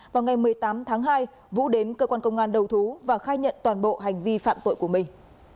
vào ngày một mươi tám tháng hai vũ đến cơ quan công an đầu thú và khai nhận toàn bộ hành vi phạm tội của mình